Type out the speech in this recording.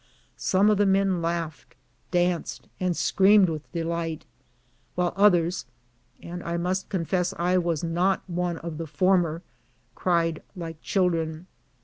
Some of the men laughed, danced, and screamed with delight, while others (and I must con fess I was not one among the former) cried like children.